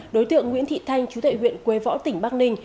đối tượng nguyễn thị thanh chú tệ huyện quế võ tỉnh bắc ninh